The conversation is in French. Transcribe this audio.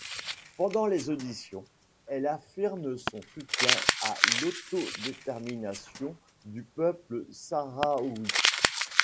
Pendant les auditions, elle affirme son soutien à l'autodétermination du peuple sahraoui.